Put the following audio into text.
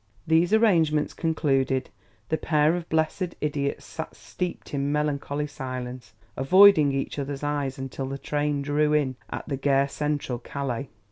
These arrangements concluded, the pair of blessed idiots sat steeped in melancholy silence, avoiding each other's eyes, until the train drew in at the Gare Centrale, Calais.